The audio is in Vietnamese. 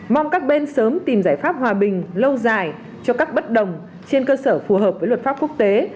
mong các bên sớm tìm giải pháp hòa bình lâu dài cho các bất đồng trên cơ sở phù hợp với luật pháp quốc tế